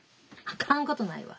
あかんことないわ。